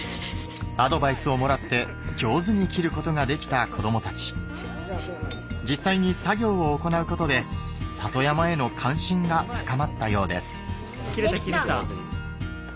アドバイスをもらって上手に切ることができた子どもたち実際に作業を行うことで里山への関心が高まったようですできた！